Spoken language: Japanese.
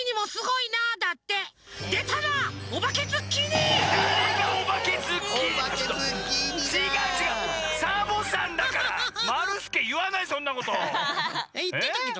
いってたけど。